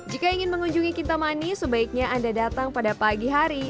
jika ingin mengunjungi kintamani sebaiknya anda datang pada pagi hari